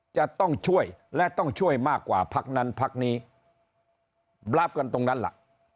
จะต้องช่วยและต้องช่วยมากกว่าพักนั้นพักนี้บราฟกันตรงนั้นล่ะ